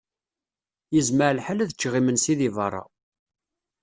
Yezmer lḥal ad ččeɣ imensi di berra.